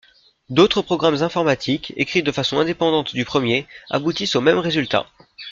D'autres programmes informatiques, écrits de façon indépendante du premier, aboutissent au même résultat.